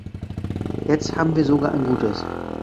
Jetzt haben wir sogar ein gutes.